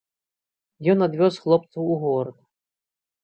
Ён адвёз хлопцаў у горад.